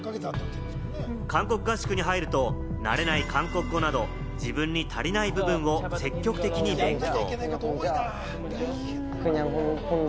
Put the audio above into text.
韓国合宿に入ると、なれない韓国語など、自分に足りない部分を積極的に勉強。